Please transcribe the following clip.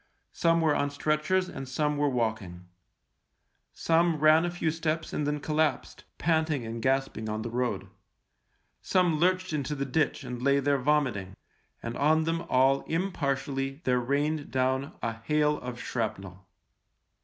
Some were on stretchers and some were walking. Some ran a few steps and then collapsed, panting and gasping on the road ; some lurched into the ditch and lay there vomiting, and on them all impartially there rained down a hail of shrapnel.